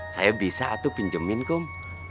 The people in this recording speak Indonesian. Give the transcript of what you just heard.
saya bisa atuh pinjemin kum